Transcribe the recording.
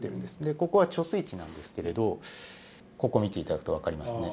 ここは貯水池なんですけれど、ここ見ていただくと分かりますね。